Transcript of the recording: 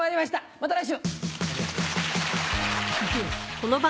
また来週！